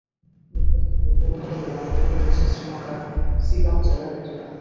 রূপকথার গল্পের মতো মনে হলেও এমনটাই ঘটেছে শ্রীলঙ্কার চিলাও জেলার একটি গ্রামে।